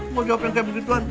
mau jawab yang kayak begituan